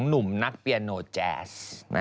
หนุ่มนักเปียโนแจ๊ส